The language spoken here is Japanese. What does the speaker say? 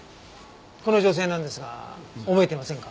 この女性なんですが覚えてませんか？